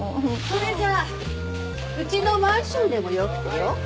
それじゃあうちのマンションでもよくてよ。